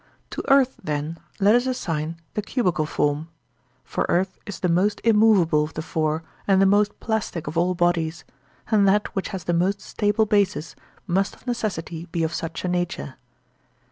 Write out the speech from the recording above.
To earth, then, let us assign the cubical form; for earth is the most immoveable of the four and the most plastic of all bodies, and that which has the most stable bases must of necessity be of such a nature.